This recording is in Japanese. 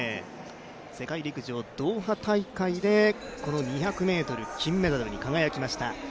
世界陸上ドーハ大会で２００ｍ金メダルに輝きました。